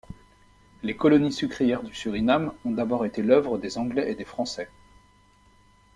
Les colonies sucrières du Suriname ont d'abord été l'œuvre des Anglais et des Français.